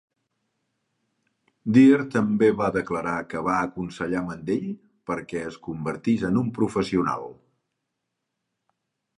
Dyer també va declarar que va aconsellar Mandell perquè es convertís en un professional.